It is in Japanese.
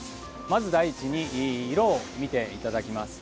まず第１に色を見ていただきます。